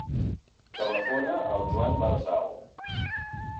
Telefona al Joan Berzal.